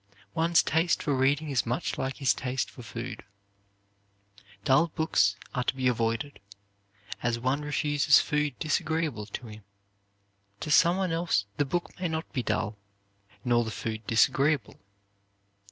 One's taste for reading is much like his taste for food. Dull books are to be avoided, as one refuses food disagreeable to him; to someone else the book may not be dull, nor the food disagreeable.